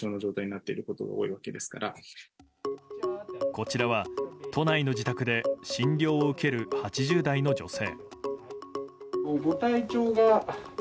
こちらは、都内の自宅で診療を受ける８０代の女性。